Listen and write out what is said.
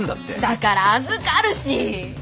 だから預かるし！